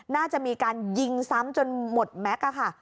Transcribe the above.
น่าจะมีการยิงซ้ำจนหมดแม็กซ์ค่ะ